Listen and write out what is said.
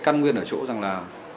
căn nguyên ở chỗ rằng là